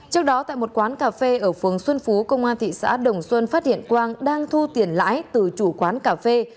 trước đó tại một quán cà phê ở phường xuân phú công an thị xã đồng xuân phát hiện quang đang thu tiền lãi từ chủ quán cà phê